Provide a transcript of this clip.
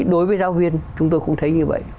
đối với giáo viên chúng tôi cũng thấy như vậy